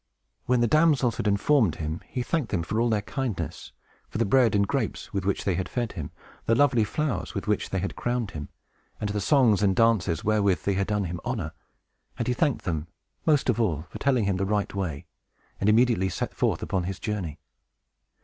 When the damsels had informed him, he thanked them for all their kindness, for the bread and grapes with which they had fed him, the lovely flowers with which they had crowned him, and the songs and dances wherewith they had done him honor, and he thanked them, most of all, for telling him the right way, and immediately set forth upon his journey.